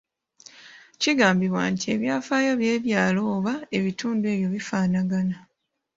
Kigambabibwa nti ebyafaayo by’ebyalo oba ebitundu ebyo bifaanagana.